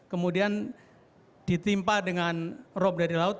kemudian ditimpa dengan rob dari laut